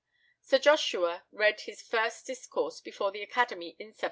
Sir Joshua read his first discourse before the Academy in 1769.